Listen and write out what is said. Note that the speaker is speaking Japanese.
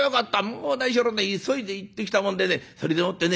「もう何しろね急いで行ってきたもんでねそれでもってね